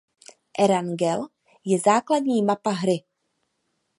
Erangel je základní mapa hry.